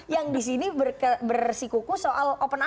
yang di sini bersikuku soal open arms ya